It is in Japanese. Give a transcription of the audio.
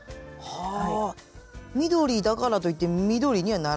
はい。